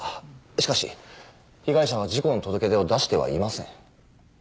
しかし被害者は事故の届け出を出してはいません。